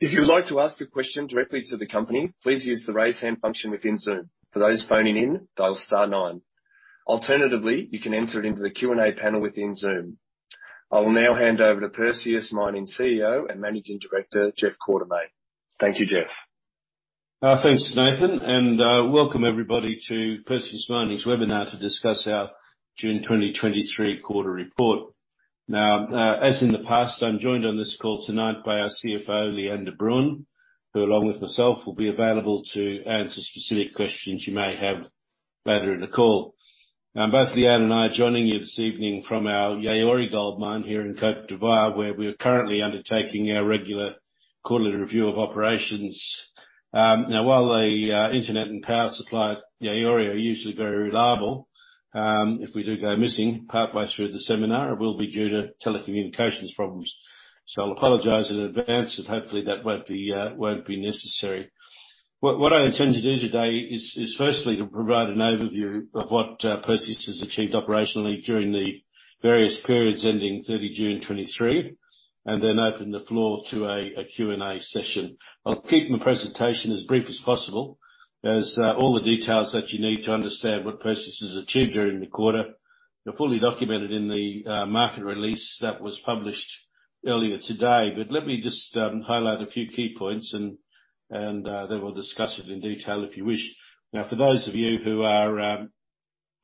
If you would like to ask a question directly to the company, please use the Raise Hand function within Zoom. For those phoning in, dial star nine. Alternatively, you can enter it into the Q&A panel within Zoom. I will now hand over to Perseus Mining CEO and Managing Director, Jeff Quartermaine. Thank you, Jeff. Thanks, Nathan, and welcome everybody to Perseus Mining's webinar to discuss our June 2023 quarter report. As in the past, I'm joined on this call tonight by our CFO, Lee-Anne de Bruin, who, along with myself, will be available to answer specific questions you may have later in the call. Both Lee-Anne and I are joining you this evening from our Yaouré Gold Mine here in Côte d'Ivoire, where we are currently undertaking our regular quarterly review of operations. While the internet and power supply at Yaouré are usually very reliable, if we do go missing partway through the seminar, it will be due to telecommunications problems. I'll apologize in advance, and hopefully, that won't be necessary. What I intend to do today is firstly, to provide an overview of what Perseus has achieved operationally during the various periods ending 30 June 2023, and then open the floor to a Q&A session. I'll keep my presentation as brief as possible, as all the details that you need to understand what Perseus has achieved during the quarter, are fully documented in the market release that was published earlier today. Let me just highlight a few key points, and then we'll discuss it in detail, if you wish. Now, for those of you who are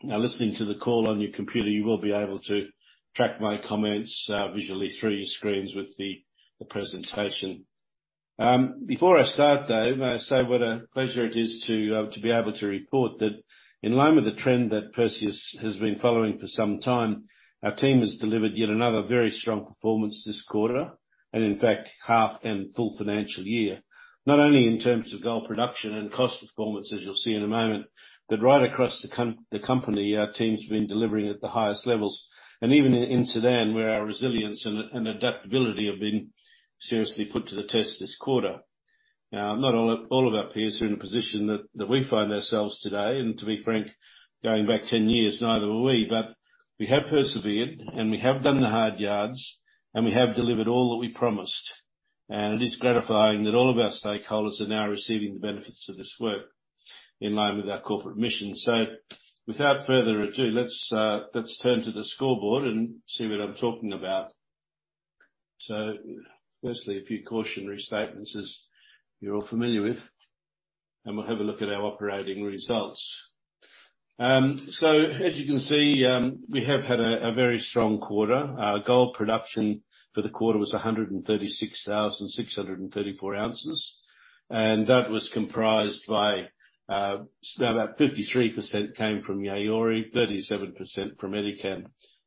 listening to the call on your computer, you will be able to track my comments visually through your screens with the presentation. Before I start, though, may I say what a pleasure it is to be able to report that in line with the trend that Perseus has been following for some time, our team has delivered yet another very strong performance this quarter, and in fact, half and full financial year. Not only in terms of gold production and cost performance, as you'll see in a moment, but right across the company, our team's been delivering at the highest levels. Even in Sudan, where our resilience and adaptability have been seriously put to the test this quarter. Not all of our peers are in a position that we find ourselves today, and to be frank, going back 10 years, neither were we. We have persevered, and we have done the hard yards, and we have delivered all that we promised. It is gratifying that all of our stakeholders are now receiving the benefits of this work in line with our corporate mission. Without further ado, let's turn to the scoreboard and see what I'm talking about. Firstly, a few cautionary statements, as you're all familiar with, and we'll have a look at our operating results. As you can see, we have had a very strong quarter. Our gold production for the quarter was 136,634 ounces, and that was comprised by about 53% came from Yaouré, 37% from Edikan,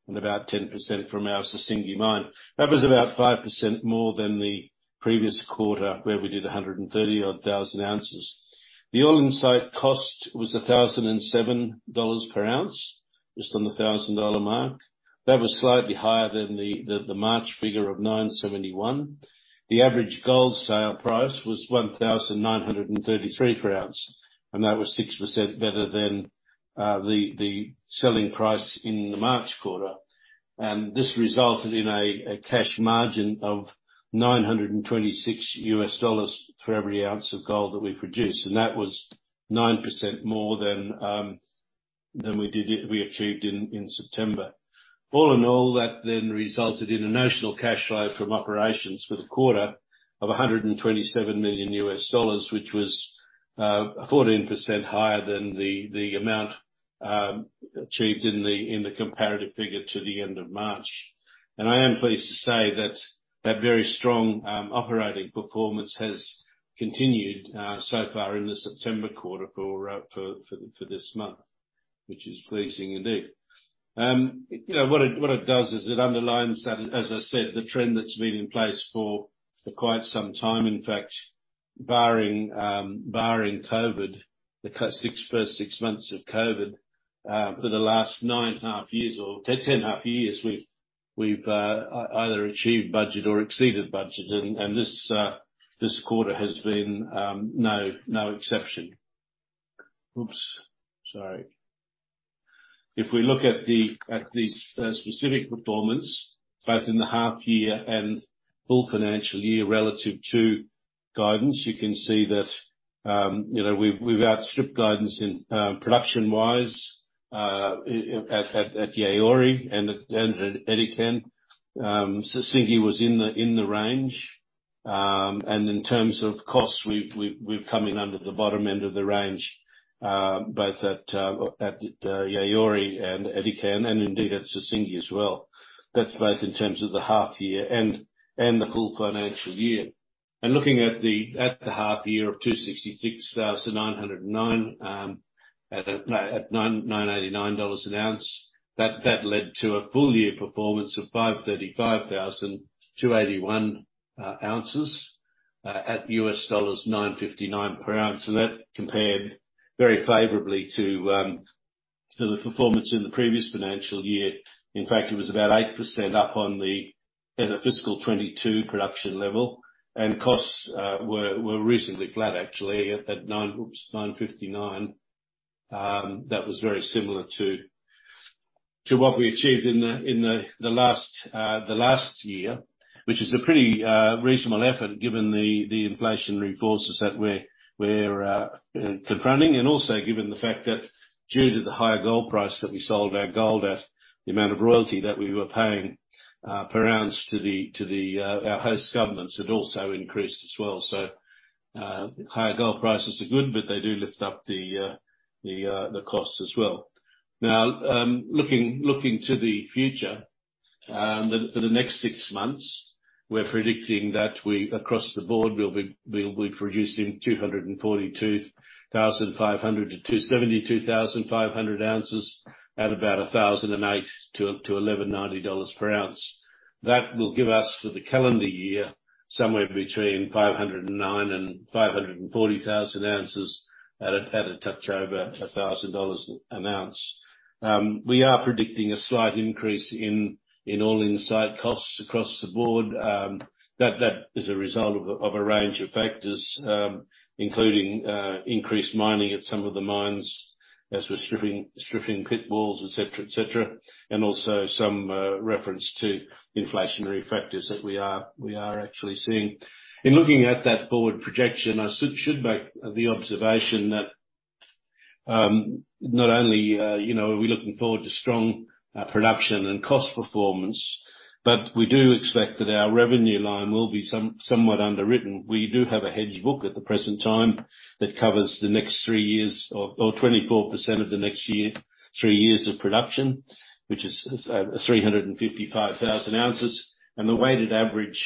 and about 10% from our Sissingué mine. That was about 5% more than the previous quarter, where we did 130,000 odd ounces. The all-in site cost was $1,007 per ounce, just on the $1,000 mark. That was slightly higher than the March figure of 971. The average gold sale price was $1,933 per ounce, that was 6% better than the selling price in the March quarter. This resulted in a cash margin of $926 for every ounce of gold that we produced, and that was 9% more than we achieved in September. All in all, that then resulted in a notional cash flow from operations for the quarter of $127 million, which was 14% higher than the amount achieved in the comparative figure to the end of March. I am pleased to say that very strong operating performance has continued so far in the September quarter for this month, which is pleasing indeed. You know, what it does is it underlines that, as I said, the trend that's been in place for quite some time, in fact, barring COVID, the first six months of COVID, for the last 9.5 years, or 10.5 years, we've either achieved budget or exceeded budget, and this quarter has been no exception. Oops, sorry. If we look at the specific performance, both in the half year and full financial year relative to guidance, you can see that, you know, we've outstripped guidance in production-wise, at Yaouré and at Edikan. Sissingué was in the range. In terms of costs, we've come in under the bottom end of the range, both at Yaouré and Edikan, and indeed at Sissingué as well. That's both in terms of the half year and the full financial year. Looking at the half year of 266,909, at $989 an ounce, that led to a full year performance of 535,281 ounces, at $959 per ounce, and that compared very favorably to the performance in the previous financial year. In fact, it was about 8% up on the fiscal 2022 production level, and costs were reasonably flat, actually, at $959. That was very similar to what we achieved in the last year, which is a pretty reasonable effort, given the inflationary forces that we're confronting, and also given the fact that due to the higher gold price that we sold our gold at, the amount of royalty that we were paying per ounce to our host governments had also increased as well. Higher gold prices are good, but they do lift up the cost as well. Looking to the future, for the next six months, we'll be producing 242,500-272,500 ounces at about $1,008-$1,190 per ounce. That will give us, for the calendar year, somewhere between 509,000 and 540,000 ounces at a touch over $1,000 an ounce. We are predicting a slight increase in all-in site costs across the board. That is a result of a range of factors, including increased mining at some of the mines as we're stripping pit walls, et cetera, and also some reference to inflationary factors that we are actually seeing. In looking at that forward projection, I should make the observation that not only, you know, are we looking forward to strong production and cost performance, but we do expect that our revenue line will be somewhat underwritten. We do have a hedge book at the present time that covers the next 3 years or 24% of the next 3 years of production, which is 355,000 ounces, and the weighted average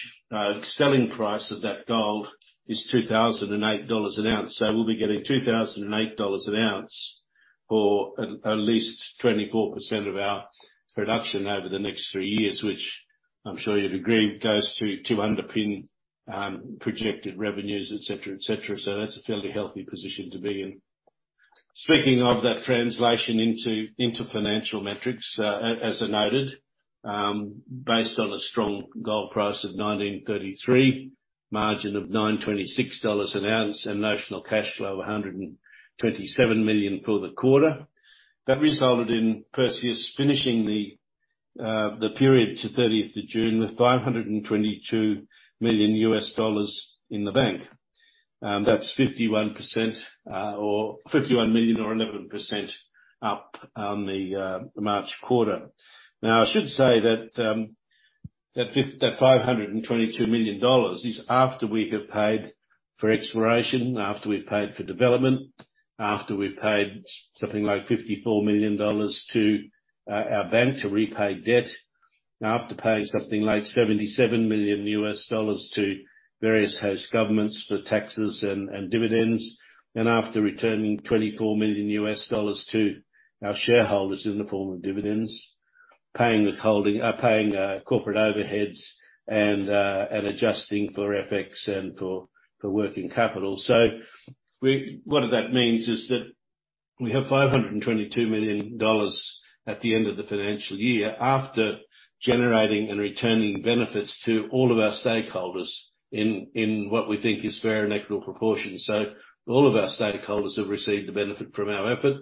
selling price of that gold is $2,008 an ounce. We'll be getting $2,008 an ounce for at least 24% of our production over the next 3 years, which I'm sure you'd agree, goes to underpin projected revenues, et cetera, et cetera. That's a fairly healthy position to be in. Speaking of that translation into financial metrics, as I noted, based on a strong gold price of $1,933, margin of $926 an ounce, and notional cash flow of $127 million for the quarter, that resulted in Perseus finishing the period to 30th of June with $522 million in the bank. That's 51%, or $51 million, or 11% up on the March quarter. I should say that $522 million is after we have paid for exploration, after we've paid for development, after we've paid something like $54 million to our bank to repay debt. After paying something like $77 million to various host governments for taxes and dividends, and after returning $24 million to our shareholders in the form of dividends, paying withholding, paying corporate overheads, and adjusting for FX and for working capital. What that means is that we have $522 million at the end of the financial year, after generating and returning benefits to all of our stakeholders in what we think is fair and equitable proportion. All of our stakeholders have received the benefit from our effort,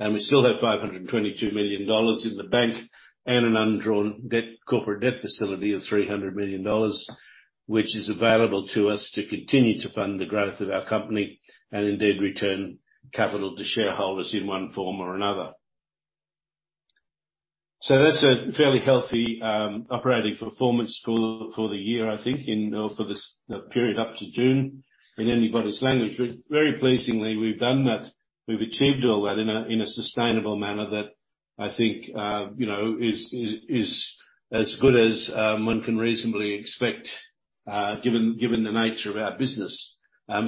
and we still have $522 million in the bank and an undrawn debt, corporate debt facility of $300 million, which is available to us to continue to fund the growth of our company, and indeed, return capital to shareholders in one form or another. That's a fairly healthy operating performance for the year, I think, or for this, the period up to June, in anybody's language. Very pleasingly, we've done that. We've achieved all that in a sustainable manner that I think, you know, is as good as one can reasonably expect given the nature of our business.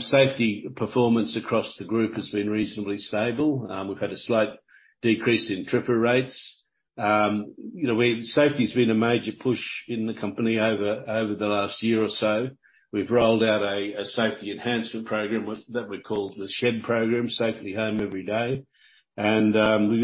Safety performance across the group has been reasonably stable. We've had a slight decrease in tripper rates. You know, safety's been a major push in the company over the last year or so. We've rolled out a safety enhancement program that we called the SHED program, Safety Home Every Day. We've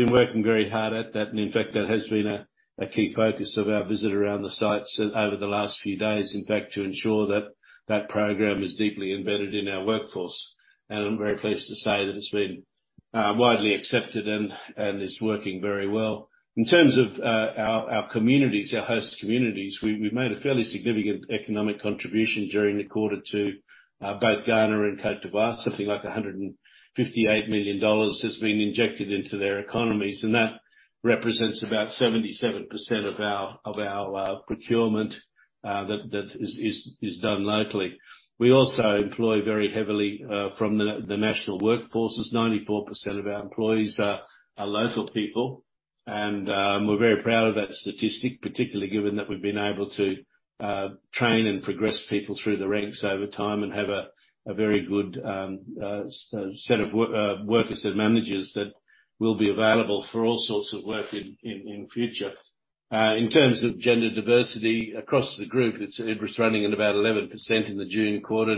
been working very hard at that, and in fact, that has been a key focus of our visit around the sites over the last few days, in fact, to ensure that that program is deeply embedded in our workforce. I'm very pleased to say that it's been widely accepted and is working very well. In terms of our communities, our host communities, we've made a fairly significant economic contribution during the quarter to both Ghana and Côte d'Ivoire. Something like $158 million has been injected into their economies, and that represents about 77% of our procurement that is done locally. We also employ very heavily from the national workforces. 94% of our employees are local people, and we're very proud of that statistic, particularly given that we've been able to train and progress people through the ranks over time and have a very good set of workers and managers that will be available for all sorts of work in future. In terms of gender diversity across the group, it was running at about 11% in the June quarter.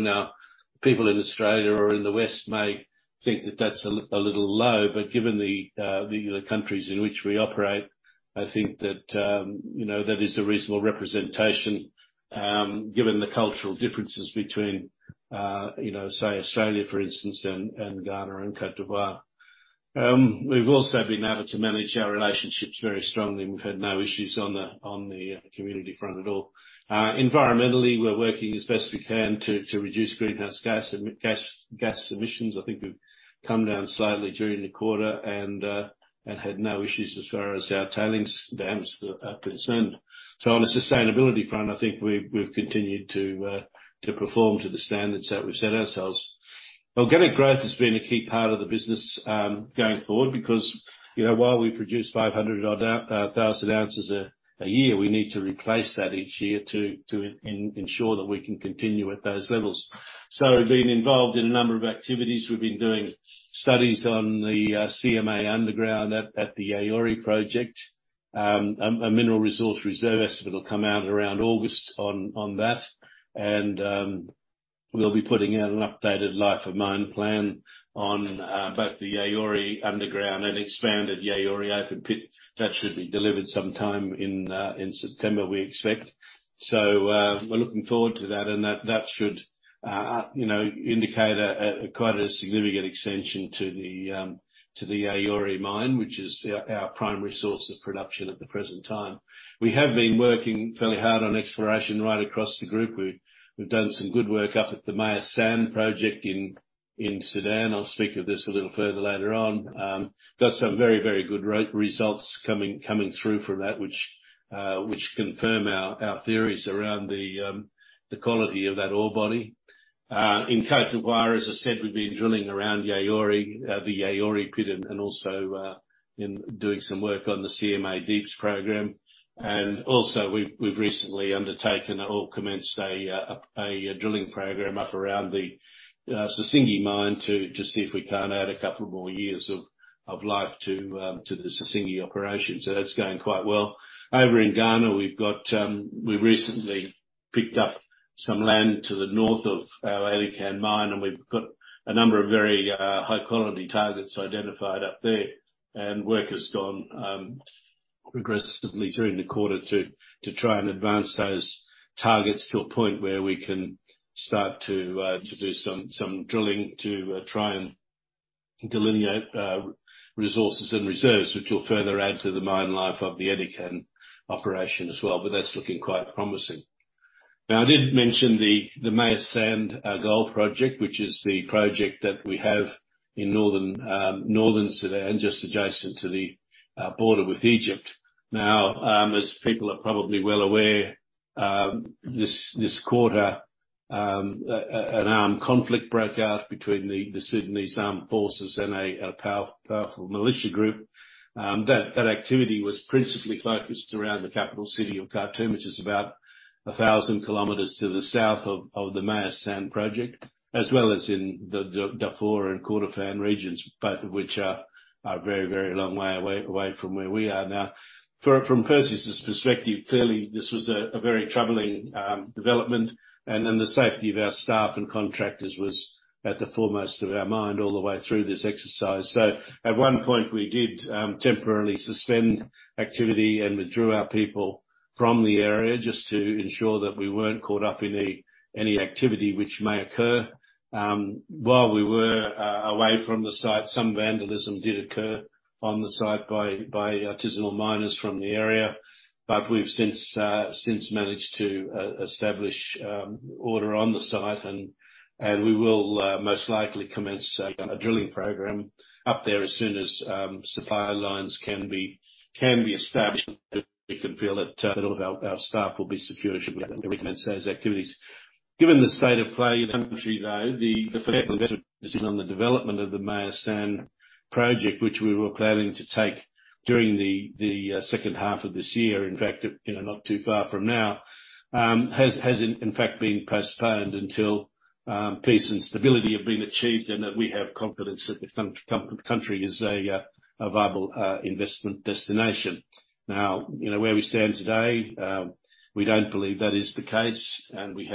People in Australia or in the West may think that that's a little low, but given the countries in which we operate, I think that, you know, that is a reasonable representation, given the cultural differences between, you know, say, Australia, for instance, and Ghana and Côte d'Ivoire. We've also been able to manage our relationships very strongly, we've had no issues on the community front at all. Environmentally, we're working as best we can to reduce greenhouse gas emissions. I think we've come down slightly during the quarter and had no issues as far as our tailings dams are concerned. On a sustainability front, I think we've continued to perform to the standards that we've set ourselves. Organic growth has been a key part of the business, going forward, because, you know, while we produce 500 odd thousand ounces a year, we need to replace that each year to ensure that we can continue at those levels. We've been involved in a number of activities. We've been doing studies on the CMA underground at the Yaouré project. A Mineral Resource and Reserve estimate will come out around August on that, and we'll be putting out an updated Life of Mine Plan on both the Yaouré underground and expanded Yaouré open pit. That should be delivered sometime in September, we expect. We're looking forward to that, and that should, you know, indicate quite a significant extension to the Yaouré mine, which is our primary source of production at the present time. We have been working fairly hard on exploration right across the group. We've done some good work up at the Meyas Sand Project in Sudan. I'll speak of this a little further later on. Got some very good results coming through from that which confirm our theories around the quality of that ore body. In Côte d'Ivoire, as I said, we've been drilling around Yaouré, the Yaouré pit and also in doing some work on the CMA Deeps program. We've recently undertaken or commenced a drilling program up around the Sissingué mine to see if we can't add a couple more years of life to the Sissingué operation. That's going quite well. Over in Ghana, we've got we've recently picked up some land to the north of our Edikan mine, and we've got a number of very high-quality targets identified up there, and work has gone progressively during the quarter to try and advance those targets to a point where we can start to do some drilling, to try and delineate resources and reserves, which will further add to the mine life of the Edikan operation as well. That's looking quite promising. I did mention the Meyas Sand Gold Project, which is the project that we have in northern Sudan, just adjacent to the border with Egypt. As people are probably well aware, this quarter, an armed conflict broke out between the Sudanese Armed Forces and a powerful militia group. That activity was principally focused around the capital city of Khartoum, which is about 1,000 kilometers to the south of the Meyas Sand project, as well as in the Darfur and Kordofan regions, both of which are very long way away from where we are now. From Perseus' perspective, clearly this was a very troubling development, and then the safety of our staff and contractors was at the foremost of our mind all the way through this exercise. At one point, we did temporarily suspend activity and withdrew our people from the area just to ensure that we weren't caught up in any activity which may occur. While we were away from the site, some vandalism did occur on the site by artisanal miners from the area, but we've since managed to establish order on the site, and we will most likely commence a drilling program up there as soon as supply lines can be established, and we can feel that all of our staff will be secure as we commence those activities. Given the state of play in the country, though, the investment on the development of the Meyas Sand Project, which we were planning to take during the second half of this year, in fact, you know, not too far from now, has in fact, been postponed until peace and stability have been achieved, and that we have confidence that the country is a viable investment destination. Now, you know, where we stand today, we don't believe that is the case, and we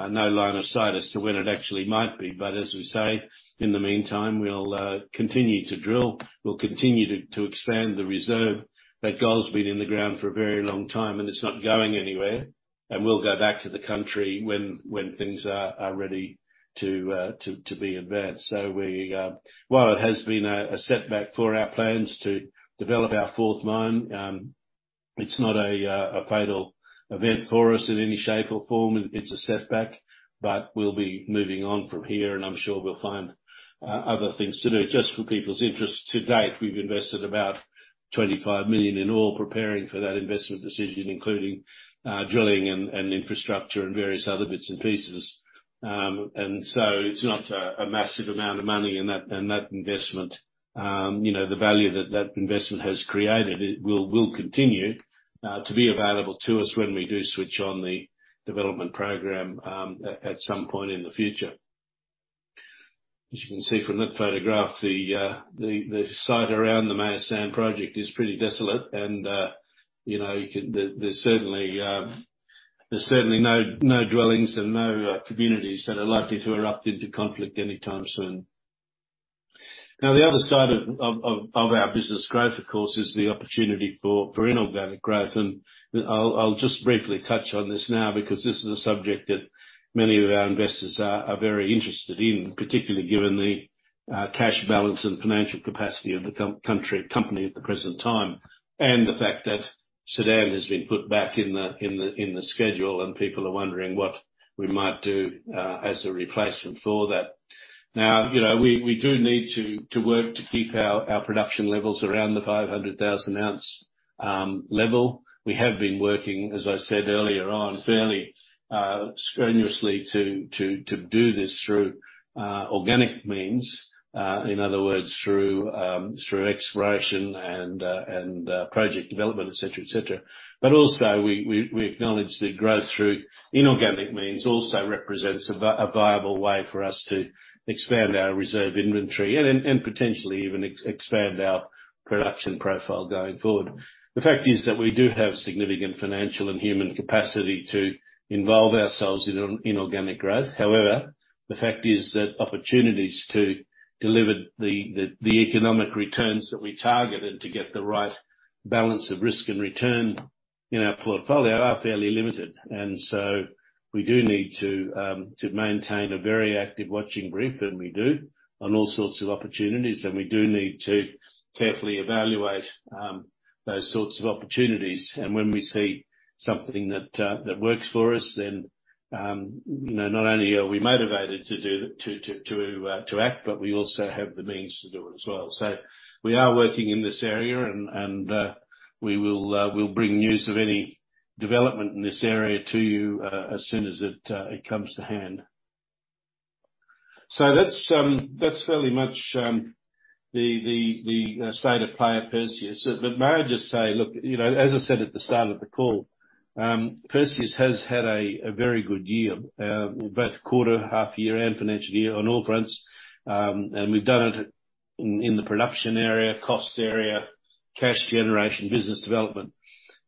have no line of sight as to when it actually might be. As we say, in the meantime, we'll continue to drill, we'll continue to expand the reserve. That gold's been in the ground for a very long time, and it's not going anywhere. We'll go back to the country when things are ready to be advanced. While it has been a setback for our plans to develop our fourth mine, it's not a fatal event for us in any shape or form. It's a setback, but we'll be moving on from here, and I'm sure we'll find other things to do. Just for people's interest, to date, we've invested about $25 million in all, preparing for that investment decision, including drilling and infrastructure and various other bits and pieces. It's not a massive amount of money, and that investment, you know, the value that that investment has created, it will continue to be available to us when we do switch on the development program at some point in the future. As you can see from that photograph, the site around the Meyas Sand Project is pretty desolate and you know, there's certainly no dwellings and no communities that are likely to erupt into conflict anytime soon. The other side of our business growth, of course, is the opportunity for inorganic growth. I'll just briefly touch on this now, because this is a subject that many of our investors are very interested in, particularly given the cash balance and financial capacity of the company at the present time, and the fact that Sudan has been put back in the schedule, and people are wondering what we might do as a replacement for that. You know, we do need to work to keep our production levels around the 500,000 ounce level. We have been working, as I said earlier on, fairly strenuously to do this through organic means. In other words, through exploration and project development, et cetera, et cetera. Also, we acknowledge that growth through inorganic means also represents a viable way for us to expand our reserve inventory, and potentially even expand our production profile going forward. The fact is that we do have significant financial and human capacity to involve ourselves in organic growth. However, the fact is that opportunities to deliver the economic returns that we target and to get the right balance of risk and return in our portfolio are fairly limited. We do need to maintain a very active watching brief, and we do, on all sorts of opportunities, and we do need to carefully evaluate those sorts of opportunities. When we see something that works for us, then, you know, not only are we motivated to act, but we also have the means to do it as well. We are working in this area, and we will bring news of any development in this area to you as soon as it comes to hand. That's fairly much the state of play at Perseus. May I just say, look, you know, as I said at the start of the call, Perseus has had a very good year, both quarter, half year and financial year on all fronts. We've done it in the production area, cost area, cash generation, business development.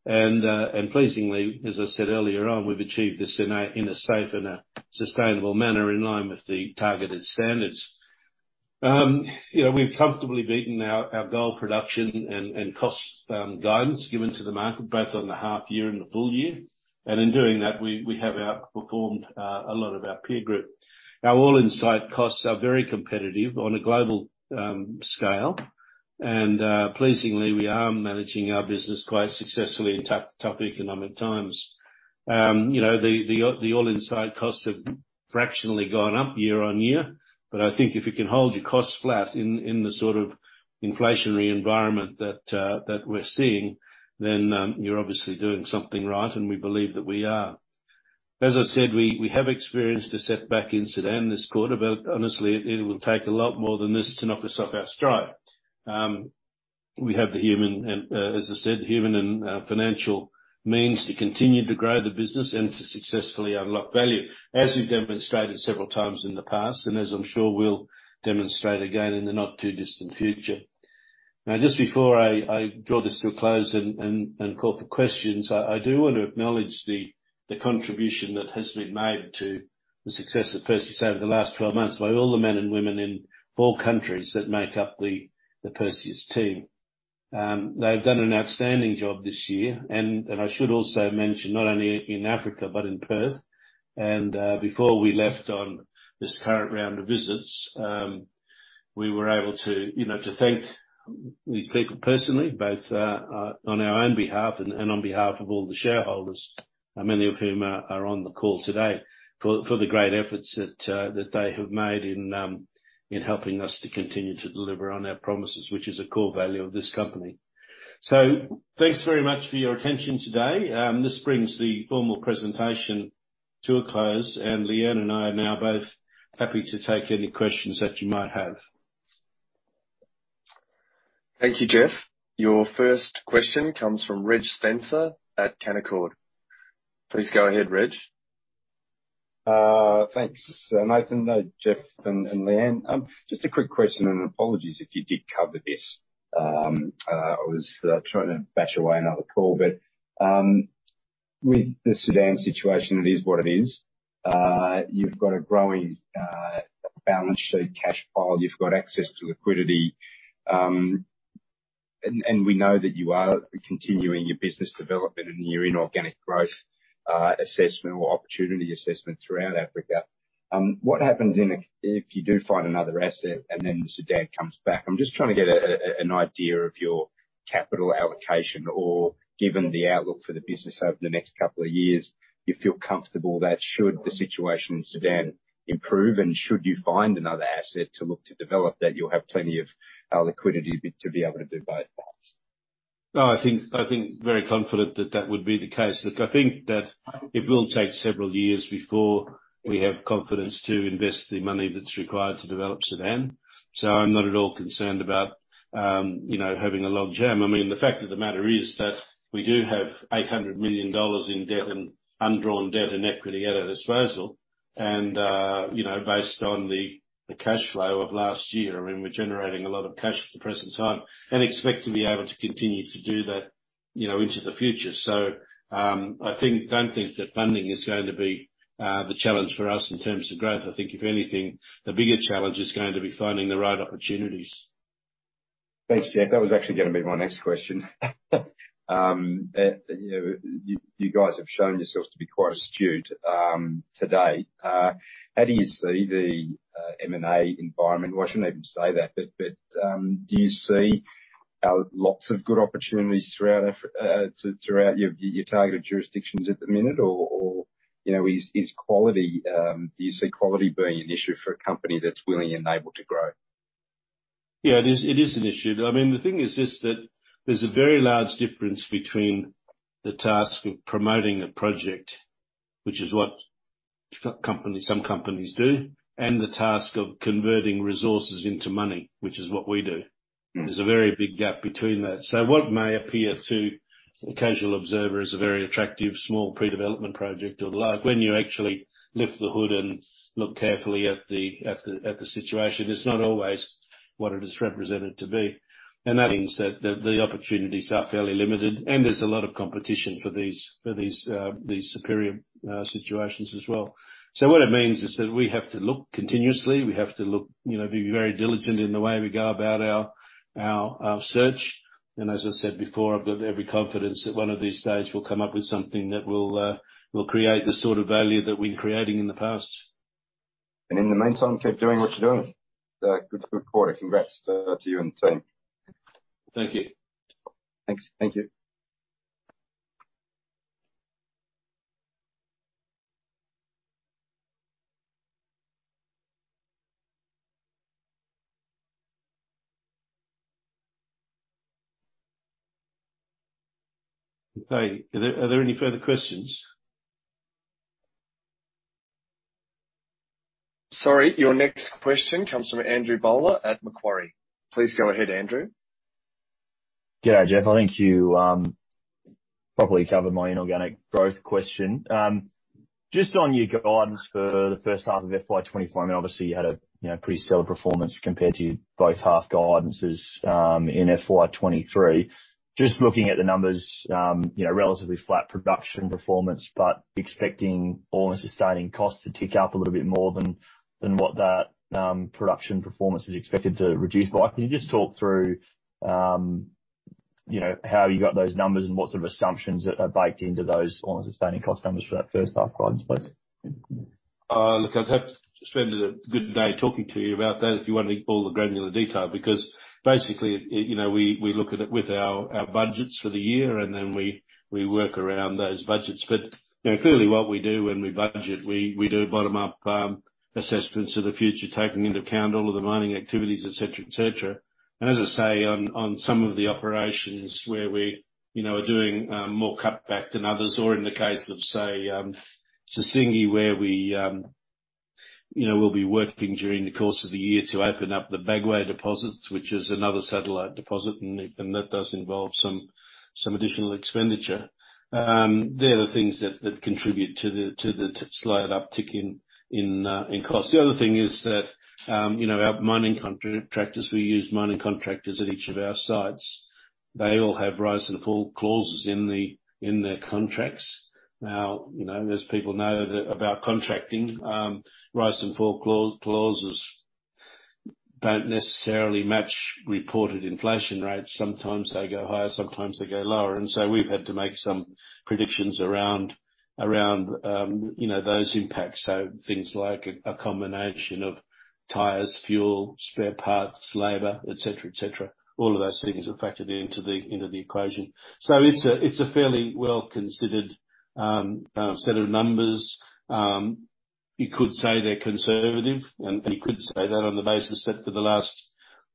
Pleasingly, as I said earlier on, we've achieved this in a safe and a sustainable manner, in line with the targeted standards. You know, we've comfortably beaten our gold production and cost guidance given to the market, both on the half year and the full year. In doing that, we have outperformed a lot of our peer group. Our all-in site costs are very competitive on a global scale, and pleasingly, we are managing our business quite successfully in tough economic times. You know, the all-in site costs have fractionally gone up year on year, but I think if you can hold your costs flat in the sort of inflationary environment that we're seeing, you're obviously doing something right, and we believe that we are. As I said, we have experienced a setback in Sudan this quarter, but honestly, it will take a lot more than this to knock us off our stride. We have the human and, as I said, human and financial means to continue to grow the business and to successfully unlock value, as we've demonstrated several times in the past, and as I'm sure we'll demonstrate again in the not-too-distant future. Now, just before I draw this to a close and call for questions, I do want to acknowledge the contribution that has been made to the success of Perseus over the last 12 months by all the men and women in four countries that make up the Perseus team. They've done an outstanding job this year, and I should also mention, not only in Africa, but in Perth. Before we left on this current round of visits, we were able to, you know, to thank these people personally, both on our own behalf and on behalf of all the shareholders, many of whom are on the call today, for the great efforts that they have made in helping us to continue to deliver on our promises, which is a core value of this company. Thanks very much for your attention today. This brings the formal presentation to a close, and Lee-Anne and I are now both happy to take any questions that you might have. Thank you, Jeff. Your first question comes from Reg Spencer at Canaccord. Please go ahead, Reg. Thanks, Nathan, Jeff, and Lee-Anne. Just a quick question. Apologies if you did cover this. I was trying to batch away another call. With the Sudan situation, it is what it is. You've got a growing balance sheet, cash pile, you've got access to liquidity. We know that you are continuing your business development and your inorganic growth assessment or opportunity assessment throughout Africa. What happens if you do find another asset and then Sudan comes back? I'm just trying to get an idea of your capital allocation, or given the outlook for the business over the next couple of years, you feel comfortable that should the situation in Sudan improve, and should you find another asset to look to develop, that you'll have plenty of liquidity to be able to do both parts? I think very confident that that would be the case. Look, I think that it will take several years before we have confidence to invest the money that's required to develop Sudan, so I'm not at all concerned about, you know, having a logjam. The fact of the matter is that we do have $800 million in debt and undrawn debt and equity at our disposal. You know, based on the cash flow of last year, we're generating a lot of cash at the present time and expect to be able to continue to do that, you know, into the future. Don't think that funding is going to be the challenge for us in terms of growth. I think if anything, the bigger challenge is going to be finding the right opportunities. Thanks, Jeff. That was actually gonna be my next question. you know, you guys have shown yourselves to be quite astute today. How do you see the M&A environment? Well, I shouldn't even say that, but do you see lots of good opportunities throughout your targeted jurisdictions at the minute? you know, is quality do you see quality being an issue for a company that's willing and able to grow? Yeah, it is an issue. I mean, the thing is this, that there's a very large difference between the task of promoting a project, which is what companies, some companies do, and the task of converting resources into money, which is what we do. Mm-hmm. There's a very big gap between that. What may appear to a casual observer as a very attractive small pre-development project or large, when you actually lift the hood and look carefully at the situation, it's not always what it is represented to be. That means that the opportunities are fairly limited, and there's a lot of competition for these, for these superior situations as well. What it means is that we have to look continuously, we have to look, you know, be very diligent in the way we go about our search. As I said before, I've got every confidence that one of these days we'll come up with something that will create the sort of value that we've been creating in the past. In the meantime, keep doing what you're doing. Good quarter. Congrats to you and the team. Thank you. Thanks. Thank you. Okay. Are there any further questions? Sorry. Your next question comes from Andrew Bowler at Macquarie. Please go ahead, Andrew. Good day, Jeff. I think you probably covered my inorganic growth question. Just on your guidance for the first half of FY25, I mean, obviously you had a, you know, pretty stellar performance compared to your both half guidances, in FY23. Just looking at the numbers, you know, relatively flat production performance, but expecting all-in sustaining costs to tick up a little bit more than what that production performance is expected to reduce by. Can you just talk through, you know, how you got those numbers and what sort of assumptions that are baked into those all-in sustaining cost numbers for that first half guidance, please? Look, I'd have to spend a good day talking to you about that if you want all the granular detail, because basically, it, you know, we look at it with our budgets for the year, and then we work around those budgets. You know, clearly what we do when we budget, we do bottom-up assessments of the future, taking into account all of the mining activities, et cetera, et cetera. As I say, on some of the operations where we, you know, are doing more cutback than others, or in the case of, say, Sissingué, where we, you know, we'll be working during the course of the year to open up the Bagoé deposits, which is another satellite deposit, and that does involve some additional expenditure. They're the things that contribute to the slight uptick in cost. The other thing is that, you know, our mining contractors, we use mining contractors at each of our sites. They all have rise and fall clauses in their contracts. Now, you know, as people know that about contracting, rise and fall clauses don't necessarily match reported inflation rates. Sometimes they go higher, sometimes they go lower. We've had to make some predictions around, you know, those impacts. Things like a combination of tires, fuel, spare parts, labor, et cetera. All of those things are factored into the equation. It's a fairly well-considered set of numbers. You could say they're conservative, and you could say that on the basis that for the last,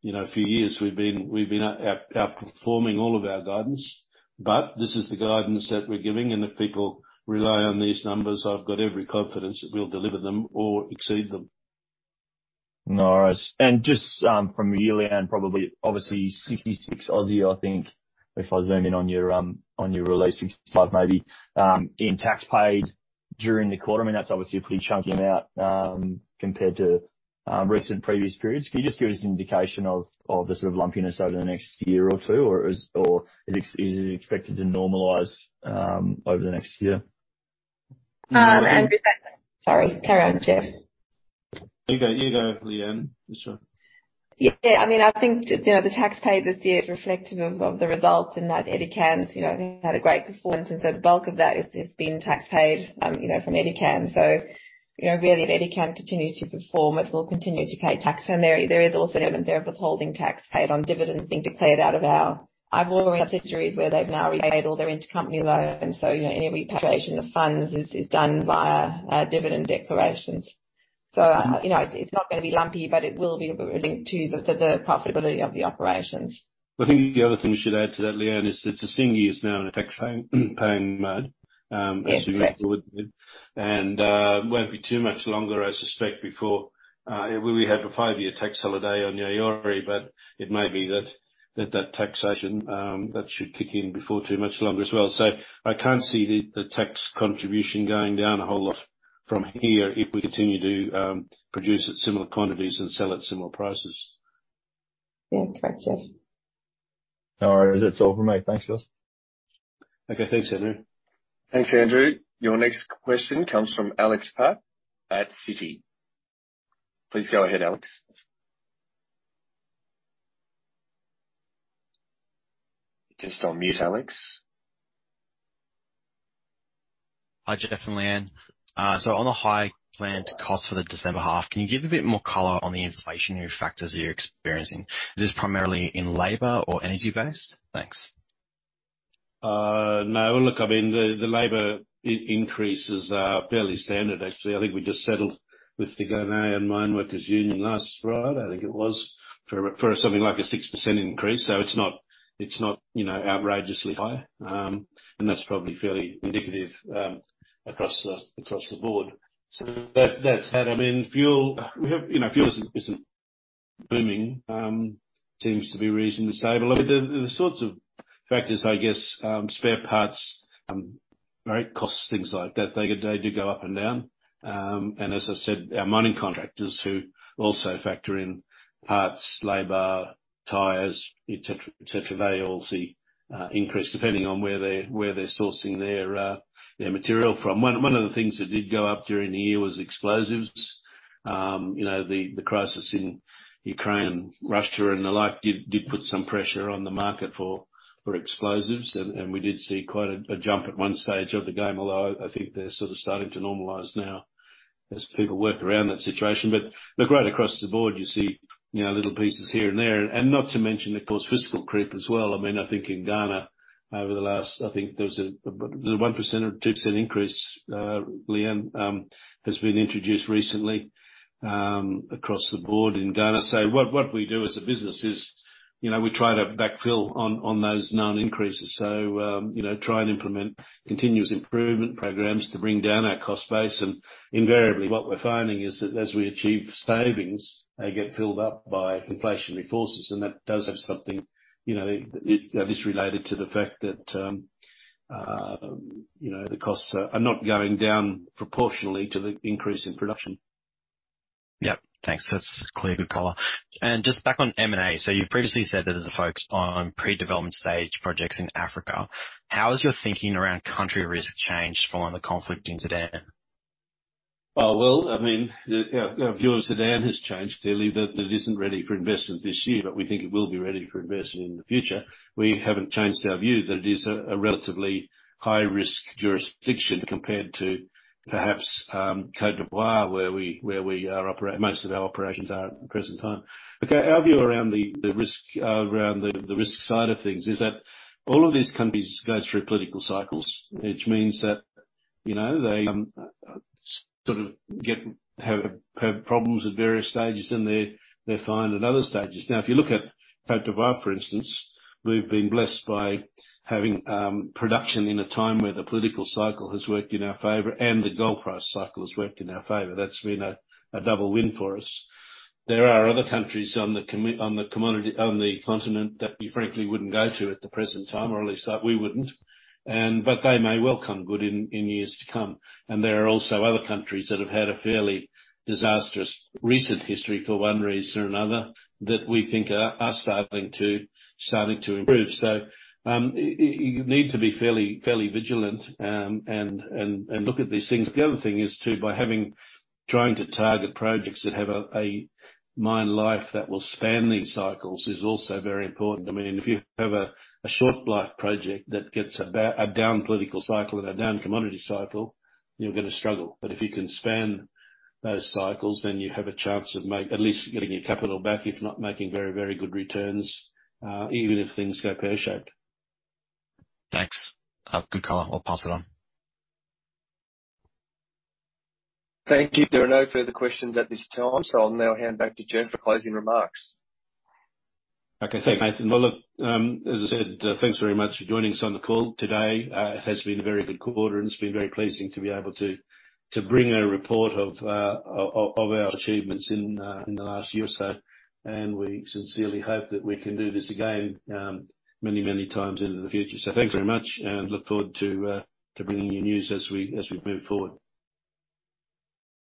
you know, few years, we've been outperforming all of our guidance. This is the guidance that we're giving, and if people rely on these numbers, I've got every confidence that we'll deliver them or exceed them. Nice. Just, from yearly and probably obviously 66, I think, if I zoom in on your release, 65, maybe, in tax paid during the quarter. I mean, that's obviously a pretty chunky amount compared to recent previous periods. Can you just give us an indication of the sort of lumpiness over the next year or two, or is it expected to normalize over the next year? Sorry, carry on, Jeff. You go, you go, Le-Anne. It's fine. Yeah, I mean, I think, you know, the tax paid this year is reflective of the results and that Edikan, you know, had a great performance, and so the bulk of that is being tax paid, you know, from Edikan. You know, really, if Edikan continues to perform, it will continue to pay tax. There is also withholding tax paid on dividends being declared where I've already said they've now repaid all their intercompany loans. You know, any repatriation of funds is done via dividend declarations. You know, it's not going to be lumpy, but it will be linked to the profitability of the operations. I think the other thing we should add to that, Lee-Anne, is that Sissingué is now in a tax paying mode. Yeah, correct. Won't be too much longer, I suspect, before we had a five-year tax holiday on Yaouré, but it may be that taxation that should kick in before too much longer as well. I can't see the tax contribution going down a whole lot from here if we continue to produce at similar quantities and sell at similar prices. Yeah, correct, Jeff. No worries. That's all for me. Thanks, guys. Okay, thanks, Andrew. Thanks, Andrew. Your next question comes from Kate McCutcheon at Citi. Please go ahead, Alex. You're just on mute, Alex. Hi, Jeff and Le-Anne. On the high planned cost for the December half, can you give a bit more color on the inflationary factors that you're experiencing? Is this primarily in labor or energy-based? Thanks. No, look, I mean, the labor increase is fairly standard, actually. I think we just settled with the Ghana Mineworkers Union last Friday, I think it was, for something like a 6% increase. It's not, it's not, you know, outrageously high. That's probably fairly indicative across the board. That's had, I mean, fuel. You know, fuel isn't booming. Seems to be reasonably stable. I mean, the sorts of factors, I guess, spare parts, right, costs, things like that, they do go up and down. As I said, our mining contractors who also factor in parts, labor, tires, et cetera, they all see increase depending on where they're sourcing their material from. One of the things that did go up during the year was explosives. you know, the crisis in Ukraine, Russia, and the like, did put some pressure on the market for explosives. we did see quite a jump at one stage of the game, although I think they're sort of starting to normalize now as people work around that situation. right across the board, you see, you know, little pieces here and there. not to mention, of course, fiscal creep as well. I mean, I think in Ghana, over the last... I think there was a 1% or 2% increase, Lee-Anne, has been introduced recently across the board in Ghana. what we do as a business is, you know, we try to backfill on those known increases. You know, try and implement continuous improvement programs to bring down our cost base. Invariably, what we're finding is that as we achieve savings, they get filled up by inflationary forces. That does have something, you know, it's related to the fact that, you know, the costs are not going down proportionally to the increase in production. Yep. Thanks. That's clear, good color. Just back on M&A. You've previously said that there's a focus on pre-development stage projects in Africa. How has your thinking around country risk changed following the conflict in Sudan? Well, I mean, our view of Sudan has changed. Clearly, that it isn't ready for investment this year. We think it will be ready for investment in the future. We haven't changed our view that it is a relatively high-risk jurisdiction compared to perhaps Côte d'Ivoire, where we operate most of our operations at the present time. Our view around the risk, around the risk side of things is that all of these countries go through political cycles, which means that, you know, they sort of get, have problems at various stages, and they're fine at other stages. Now, if you look at Côte d'Ivoire, for instance, we've been blessed by having production in a time where the political cycle has worked in our favor and the gold price cycle has worked in our favor. That's been a double win for us. There are other countries on the continent that we frankly wouldn't go to at the present time, or at least that we wouldn't, but they may well come good in years to come. There are also other countries that have had a fairly disastrous recent history, for one reason or another, that we think are starting to improve. You need to be fairly vigilant and look at these things. The other thing is, too, by having... Trying to target projects that have a mine life that will span these cycles is also very important. I mean, if you have a short-life project that gets a down political cycle and a down commodity cycle, you're going to struggle. If you can span those cycles, then you have a chance of at least getting your capital back, if not making very, very good returns, even if things go pear-shaped. Thanks. good color. I'll pass it on. Thank you. There are no further questions at this time. I'll now hand back to Jeff for closing remarks. Okay, thanks, Nathan. Well, look, as I said, thanks very much for joining us on the call today. It has been a very good quarter, and it's been very pleasing to be able to bring a report of our achievements in the last year or so. We sincerely hope that we can do this again, many, many times into the future. Thanks very much, and look forward to bringing you news as we move forward.